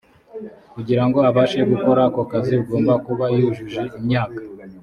kugira ngo abashe gukora ako kazi ugomba kuba yujuje imyaka.